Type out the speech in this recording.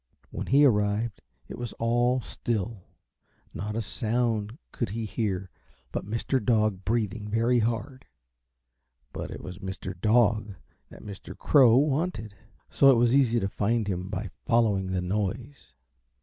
When he arrived it was all still; not a sound could he hear but Mr. Dog breathing very hard, but it was Mr. Dog that Mr. Crow wanted, so it was easy to find him by following the noise.